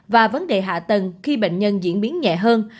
và vấn đề hạ tầng khi bệnh nhân diễn biến nhẹ hơn